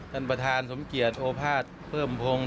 ท่านประธานสมเกียจโอภาษย์เพิ่มพงศ์